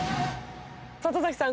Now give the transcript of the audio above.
里崎さん